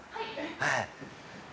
はい！